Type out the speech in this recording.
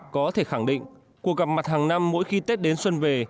có thể khẳng định cuộc gặp mặt hàng năm mỗi khi tết đến xuân về